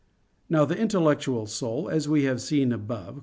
Now the intellectual soul, as we have seen above (Q.